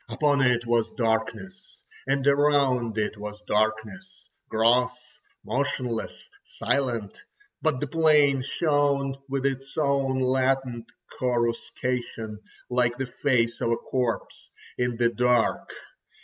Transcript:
Upon it was darkness, and around it was darkness, gross, motionless, silent, but the plain shone with its own latent coruscation, like the face of a corpse in the dark.